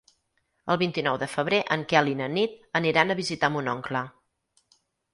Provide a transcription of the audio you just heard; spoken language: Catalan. El vint-i-nou de febrer en Quel i na Nit aniran a visitar mon oncle.